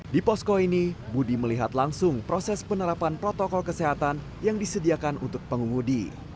di posko ini budi melihat langsung proses penerapan protokol kesehatan yang disediakan untuk pengumudi